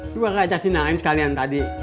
coba kakak kasih nangin sekalian tadi